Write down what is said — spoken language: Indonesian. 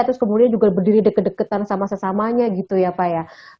terus kemudian juga berdiri deket deketan sama sesamanya gitu ya pak ya